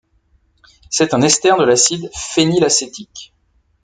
C'est un ester de l'acide phénylacétique.